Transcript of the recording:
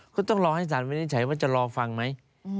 ก็ต้องรอให้สารวินิจฉัยว่าจะรอฟังไหม